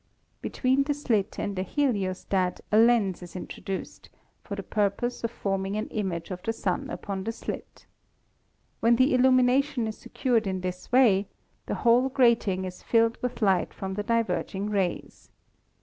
Between the slit and the heliostat a lens is introduced, for the purpose of forming an image of the Sun upon the slit. When the illu mination is secured in this way, the whole grating is filled with light from the diverging rays.